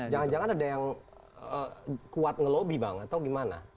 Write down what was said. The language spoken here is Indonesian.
jangan jangan ada yang kuat ngelobi bang atau gimana